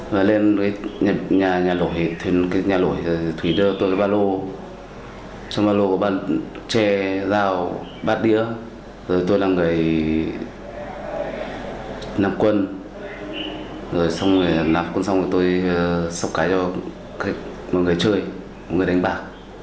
rồi xong rồi nạp quân xong rồi tôi sọc cái cho một người chơi một người đánh bạc